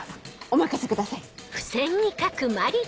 お任せください。